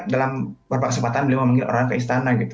dalam beberapa kesempatan beliau memanggil orang ke istana gitu